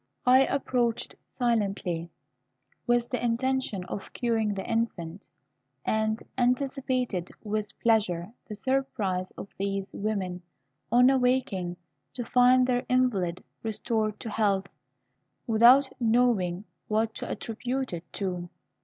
I approached silently, with the intention of curing the infant, and anticipated with pleasure the surprise of these women, on awaking, to find their invalid restored to health, without knowing what to attribute it to.